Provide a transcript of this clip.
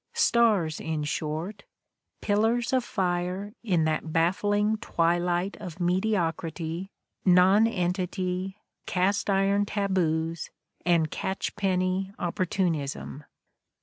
Stars, in short, pillars of fire in that baffling twilight of mediocrity, nonentity, cast iron taboos and catchpenny opportunism.